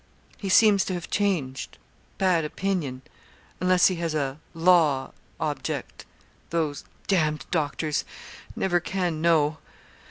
'He seems to have changed bad opinion unless he has a law object those d d doctors never can know.